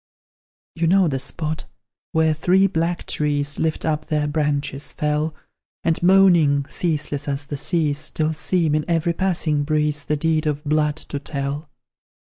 You know the spot, where three black trees, Lift up their branches fell, And moaning, ceaseless as the seas, Still seem, in every passing breeze, The deed of blood to tell.